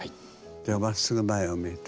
ではまっすぐ前を向いて。